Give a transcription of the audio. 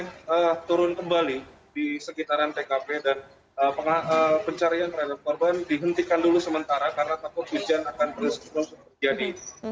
hanya hujan mulai turun kembali di sekitaran tkp dan pencarian keren dan korban dihentikan dulu sementara karena takut hujan akan terus berjadi